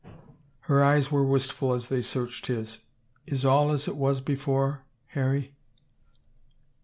Her eyes were wistful as they searched his. " Is all as it was before, Harry